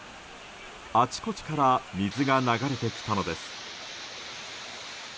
あちこちから水が流れてきたのです。